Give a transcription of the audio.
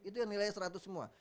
itu yang nilainya seratus semua